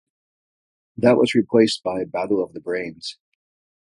That was replaced by "Battle of the Brains".